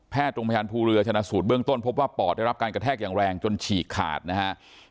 โรงพยาบาลภูเรือชนะสูตรเบื้องต้นพบว่าปอดได้รับการกระแทกอย่างแรงจนฉีกขาดนะครับ